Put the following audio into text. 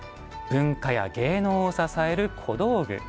「文化や芸能を支える小道具」。